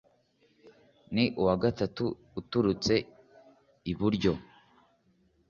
ni uwa gatatu uturutse iburyo